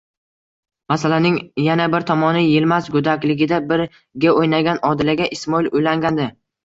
Masalaning yana bir tomoni Yilmaz go'dakligida birga o'ynagan Odilaga Ismoil uylangandi.